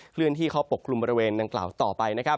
เลื่อนที่เข้าปกคลุมบริเวณดังกล่าวต่อไปนะครับ